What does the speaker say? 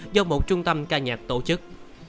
do một trung tâm ca nhạc tổ chức